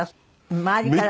周りから。